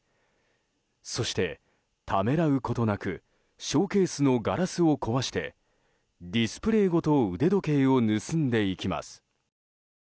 そして、ためらうことなくショーケースのガラスを壊してディスプレーごと腕時計を盗んでいきます。